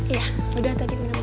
iya udah tadi minum